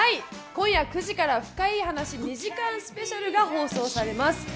今夜９時から『深イイ話』２時間スペシャルが放送されます。